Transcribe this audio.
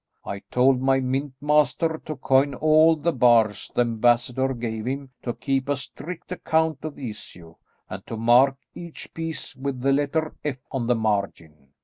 I told my mint master to coin all the bars the ambassador gave him, to keep a strict account of the issue, and to mark each piece with the letter 'F' on the margin.